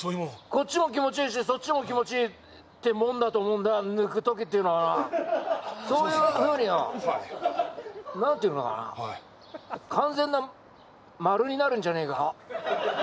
こっちも気持ちいいしそっちも気持ちいいってもんだと思うんだ抜く時っていうのはそういうふうによ何ていうのかな完全な丸になるんじゃねえか？